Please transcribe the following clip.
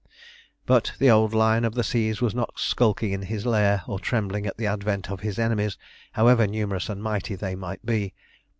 But the old Lion of the Seas was not skulking in his lair, or trembling at the advent of his enemies, however numerous and mighty they might be.